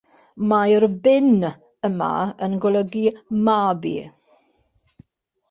Mae'r "bin" yma yn golygu "mab i.